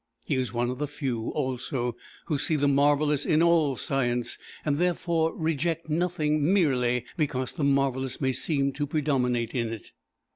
He was one of the few, also, who see the marvellous in all science, and, therefore, reject nothing merely because the marvellous may seem to predominate in it.